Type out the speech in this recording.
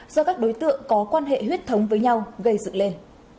do các đối tượng có quan hệ huyết thống với nhau gây dựng lên